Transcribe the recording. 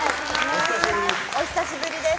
お久しぶりです。